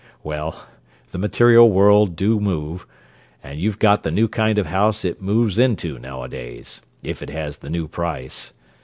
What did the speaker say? Well, the material world do move, and you've got the new kind of house it moves into nowadays—if it has the new price!